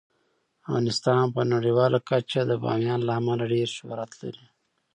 افغانستان په نړیواله کچه د بامیان له امله ډیر شهرت لري.